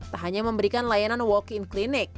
tak hanya memberikan layanan walk in klinik